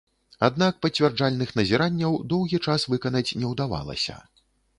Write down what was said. Аднак пацвярджальных назіранняў доўгі час выканаць не ўдавалася.